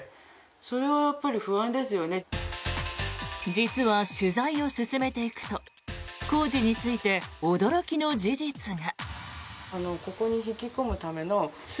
実は取材を進めていくと工事について驚きの事実が。